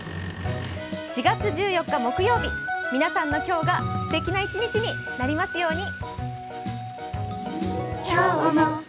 ４月１４日木曜日、皆さんの今日が、すてきな一日になりますように。